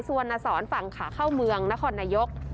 สวนอสรภังขาเข้าเมืองนครนายก